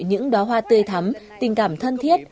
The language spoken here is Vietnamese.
những đoá hoa tê thắm tình cảm thân thiết